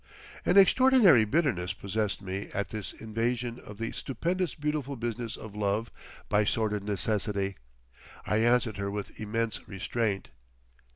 An extraordinary bitterness possessed me at this invasion of the stupendous beautiful business of love by sordid necessity. I answered her with immense restraint.